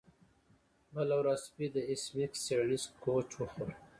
بله ورځ سپي د ایس میکس څیړنیز کوچ وخوړ